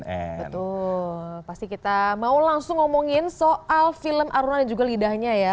betul pasti kita mau langsung ngomongin soal film aruna dan juga lidahnya ya